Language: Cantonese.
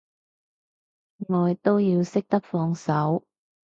愛都要識得放手